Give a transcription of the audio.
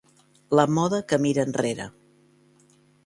La moda que mira enrere.